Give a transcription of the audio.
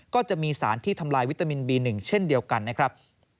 ก็จะมีสารที่ทำลายวิตามินบี๑เช่นเดียวกันนะครับ